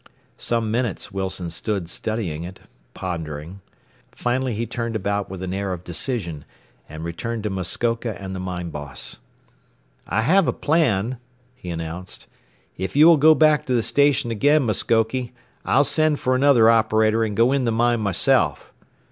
Some minutes Wilson stood studying it, pondering. Finally he turned about with an air of decision and returned to Muskoka and the mine boss. "I have a plan," he announced. "If you will go back to the station again, Muskoke, I'll send for another operator, and go in the mine myself.